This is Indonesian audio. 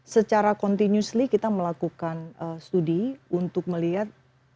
secara continuesly kita melakukan studi untuk melihat